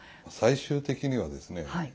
最終的にはですね